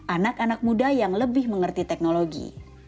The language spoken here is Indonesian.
anak anak muda yang lebih mengerti teknologi